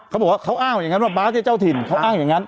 เขาบอกว่าเขาอ้างอย่างนั้นว่าบาสเนี่ยเจ้าถิ่นเขาอ้างอย่างนั้น